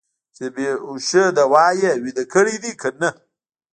چې د بې هوشۍ دوا یې ویده کړي دي که نه.